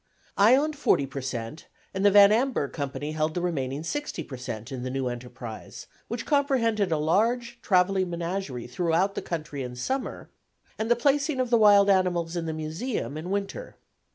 I owned forty per cent and the Van Amburgh Company held the remaining sixty per cent in the new enterprise, which comprehended a large travelling menagerie through the country in summer, and the placing of the wild animals in the Museum in winter.